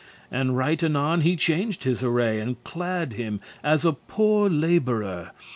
And right anon he changed his array, And clad him as a poore labourer.